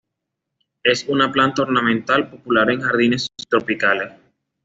Es una planta ornamental popular en jardines subtropicales.